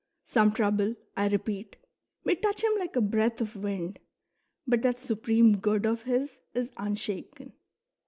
Some trouble, I repeat, may touch him like a breath of wind, but that Supreme Good of his is unshaken.